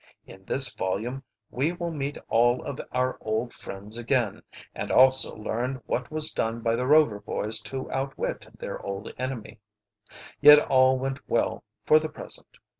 In this volume we will meet all of our old friends again, and also learn what was done by the Rover boys to outwit their old enemy. Yet all went well for the present.